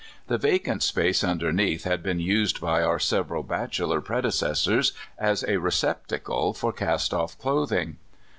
The vacant space underneath had been used b}^ our several bachelor predecessors as a receptacle for cast off clothing.